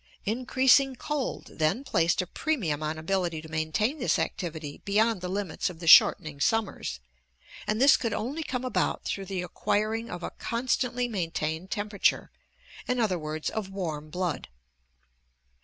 Increasing cold then placed a premium on ability to maintain this activity beyond the limits of the shortening summers, and this could only come about through the acquiring of a constantly maintained temperature, in othu ..is, of warm blood.